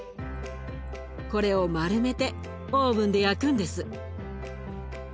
これを丸めてオーブンで焼くんです。